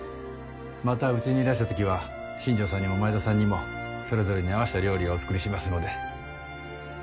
またうちにいらしたときは新条さんにも前田さんにもそれぞれに合わせた料理をお作りしますので。